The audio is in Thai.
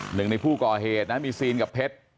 หนึ่งในผู้ก่อเหตุนะมีซีนกับเพชร